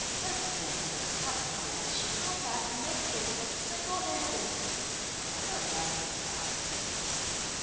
"To think that that fool should go back and make the attempt single handed. I never imagined that."